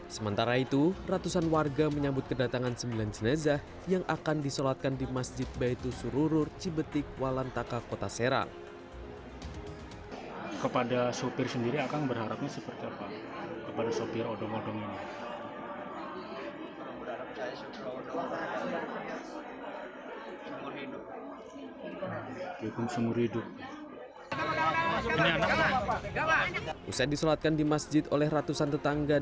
sementara itu ratusan warga menyambut kedatangan sembilan jenazah yang akan disolatkan di masjid baitu sururur cibetik walantaka kota serang